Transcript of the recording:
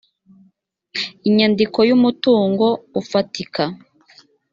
inyandiko y’umutungo ufatika